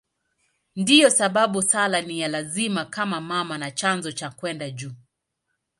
Ndiyo sababu sala ni ya lazima kama mama na chanzo cha kwenda juu.